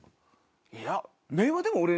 いや。